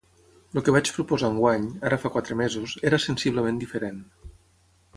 El que vaig proposar enguany, ara fa quatre mesos, era sensiblement diferent.